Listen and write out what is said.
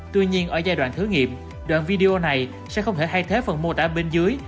tuy nhiên ở giai đoạn thử nghiệm đoạn video này sẽ không thể thay thế phần mô tả bên dưới